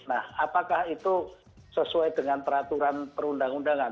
nah apakah itu sesuai dengan peraturan perundang undangan